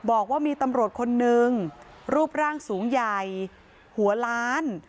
บอกว่ามีตำรวจคนนึงรูปร่างสูงใหญ่หัวล้าน